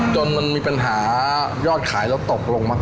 จนมันมีปัญหายอดขายแล้วตกลงมาก